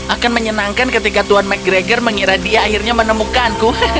akan menyenangkan ketika tuan mcgregor mengira dia akhirnya menemukanku